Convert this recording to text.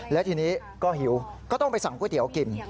และทีนี้ก็หิวก็ต้องไปสั่งก๋วยเตี๋ยวกิน